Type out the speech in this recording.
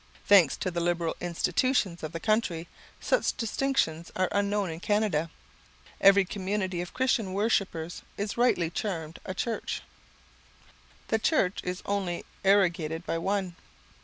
Thanks to the liberal institutions of the country, such distinctions are unknown in Canada. Every community of Christian worshippers is rightly termed a church. The Church is only arrogated by one.